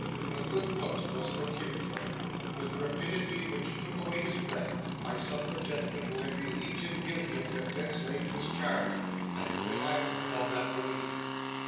A good post was procured for him, with a rapidity which took away his breath, by some of the gentlemen who had believed him guilty of the offence laid to his charge, and who had acted upon that belief.